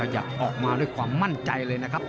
อยากออกมาด้วยความมั่นใจเลยนะครับ